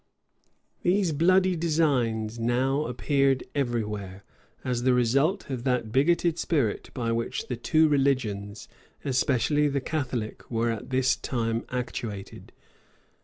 [] These bloody designs now appeared every where, as the result of that bigoted spirit by which the two religions, especially the Catholic, were at this time actuated.